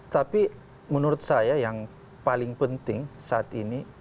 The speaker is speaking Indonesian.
tapi menurut saya yang paling penting saat ini